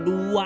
bisa dulu deh